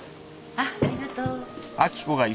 あっありがとう。